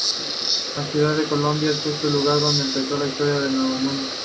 La Ciudad Colonial es justo el lugar donde empezó la historia del Nuevo Mundo.